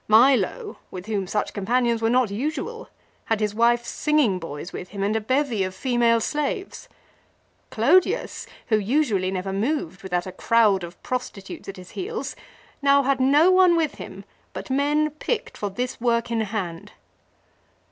Milo, with whom such companions were not usual, had his wife's singing boys with him and a bevy of female slaves. Clodius who usually never moved without a crowd of prostitutes at his heels now had no one with him but men picked for this work in hand."